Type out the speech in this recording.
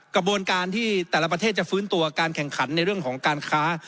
กระบวนการที่แต่ละประเทศจะฟื้นตัวการแข่งขันในเรื่องของการค้า